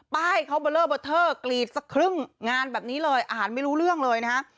ป้ายเขาเบอร์เลอร์เบอร์เทอร์กรีดสักครึ่งงานแบบนี้เลยอ่านไม่รู้เรื่องเลยนะฮะ